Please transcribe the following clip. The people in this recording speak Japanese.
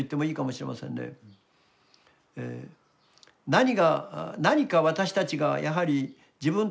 何が何か私たちがやはり自分たちで可能なことをね